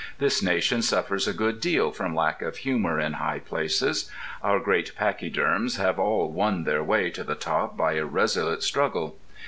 This nation suffers a good deal from lack of humour in high places: our Great Pachyderms have all Won their Way to the Top by a Resolute Struggle.